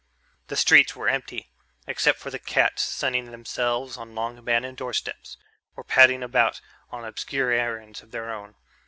The streets were empty, except for the cats sunning themselves on long abandoned doorsteps or padding about on obscure errands of their own.